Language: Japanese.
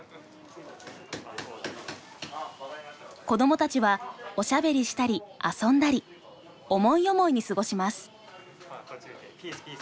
子どもたちはおしゃべりしたり遊んだり思い思いに過ごします。